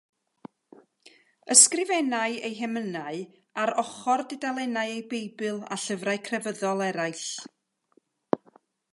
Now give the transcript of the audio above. Ysgrifennai ei hemynau ar ochr dudalennau ei Beibl a llyfrau crefyddol eraill.